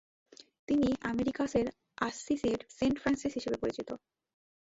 তিনি "আমেরিকাসের আসসিসির Saint Francis" হিসাবে পরিচিত।